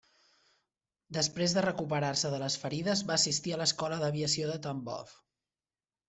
Després de recuperar-se de les ferides, va assistir a l'Escola d'Aviació de Tambov.